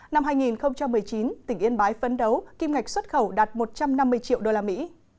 năm hai nghìn một mươi chín tỉnh yên bái phấn đấu kim ngạch xuất khẩu đạt một trăm năm mươi triệu đô la mỹ